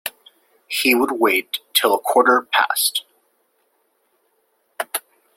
He would wait till a quarter past.